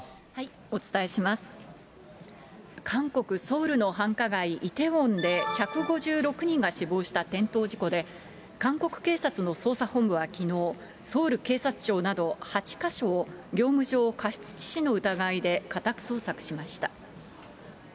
韓国・ソウルの繁華街、イテウォンで１５６人が死亡した転倒事故で、韓国警察の捜査本部はきのう、ソウル警察庁など８か所を業務上過失致死の疑いで家宅捜索しました。